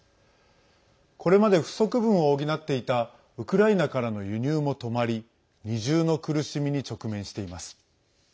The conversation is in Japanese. これまで不足分を補っていたウクライナからの輸入も止まり二重の苦しみに直面しています。